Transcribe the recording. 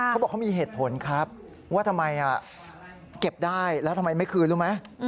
เขาบอกเขามีเหตุผลครับว่าทำไมเก็บได้แล้วทำไมไม่คืนรู้ไหม